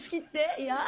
いや。